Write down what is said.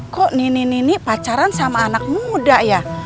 kok nini nini pacaran sama anak muda ya